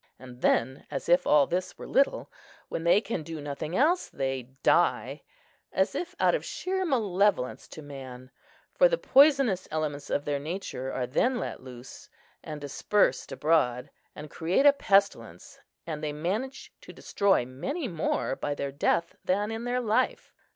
And then, as if all this were little, when they can do nothing else, they die;—as if out of sheer malevolence to man, for the poisonous elements of their nature are then let loose, and dispersed abroad, and create a pestilence; and they manage to destroy many more by their death than in their life.